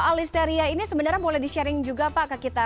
alisteria ini sebenarnya boleh di sharing juga pak ke kita